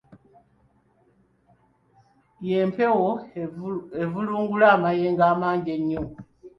Ye mpewo evulungula amayengo amangi ennyo.